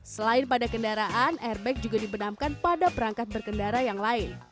selain pada kendaraan airbag juga dibenamkan pada perangkat berkendara yang lain